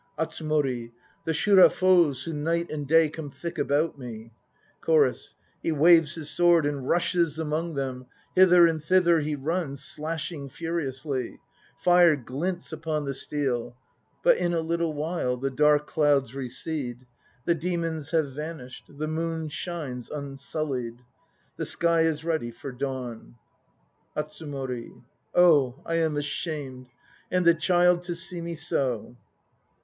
ATSUMORI. The Shura foes who night and day Come thick about me ! CHORUS. He waves his sword and rushes among them, Hither and thither he runs slashing furiously; Fire glints upon the steel. But in a little while The dark clouds recede; The demons have vanished, The moon shines unsullied; The sky is ready for dawn. ATSUMORI. Oh! I am ashamed. ... And the child to see me so.